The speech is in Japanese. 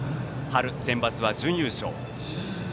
春センバツは準優勝。